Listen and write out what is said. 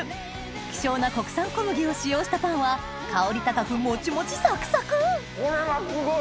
希少な国産小麦を使用したパンは香り高くもちもちサクサクこれはすごい。